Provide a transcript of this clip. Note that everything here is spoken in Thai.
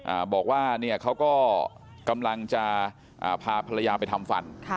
อ่าบอกว่าเนี่ยเขาก็กำลังจะอ่าพาภรรยาไปทำฟันค่ะ